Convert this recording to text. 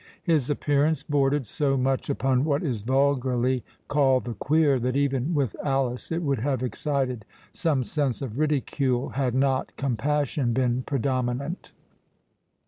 His appearance bordered so much upon what is vulgarly called the queer, that even with Alice it would have excited some sense of ridicule, had not compassion been predominant.